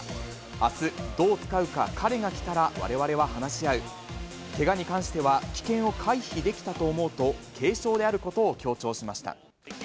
あす、どう使うか、彼が来たらわれわれは話し合う、けがに関しては、危険を回避できたと思うと、軽傷であることを強調しました。